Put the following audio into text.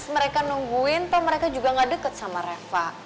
mereka nungguin tau mereka juga ga deket sama reva